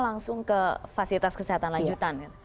langsung ke fasilitas kesehatan lanjutan